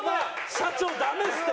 社長ダメですって。